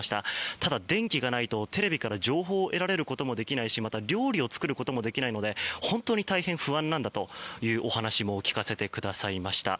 ただ、電気がないとテレビから情報を得ることもできないしまた、料理を作ることもできないので本当に大変不安なんだというお話も聞かせてくださいました。